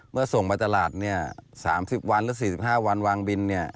ส่งมาตลาด๓๐วันหรือ๔๕วันวางบิน